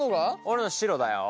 俺の白だよ。